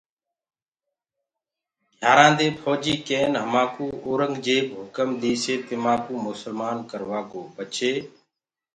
گھيآرآنٚ دي ڦوجيٚ ڪين همآنٚڪو اورنٚگجيب هُڪم ديسي تمآنٚڪو مُسلمآن ڪروآڪو پڇي